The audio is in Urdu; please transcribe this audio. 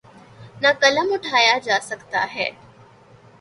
نہ قلم اٹھایا جا سکتا ہے۔